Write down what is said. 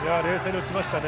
冷静に打ちました。